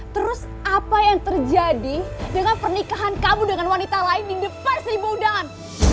terus apa yang terjadi dengan pernikahan kamu dengan wanita lain di depan seribu udangan